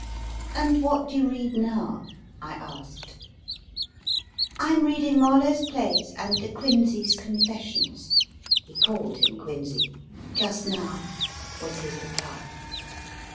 And what do you read now ? I asked. I m reading Marlowe s plays and De Ouincey s Confessions (he called him Quinsy) just now, was his reply.